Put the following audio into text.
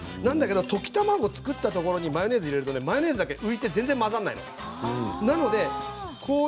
溶き卵を作ったところにマヨネーズを入れるとマヨネーズが浮いて全然混ざらない。。